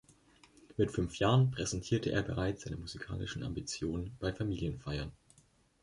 Mit fünf Jahren präsentierte er bereits seine musikalischen Ambitionen bei Familienfeiern.